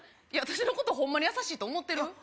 いや私のことホンマにやさしいと思ってる？